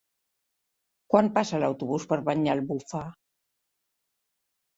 Quan passa l'autobús per Banyalbufar?